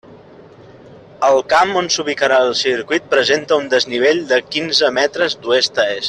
El camp on s'ubicarà el circuit presenta un desnivell de quinze metres d'oest a est.